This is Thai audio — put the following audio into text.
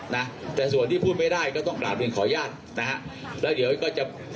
นะครับแล้วเดี๋ยวก็จะ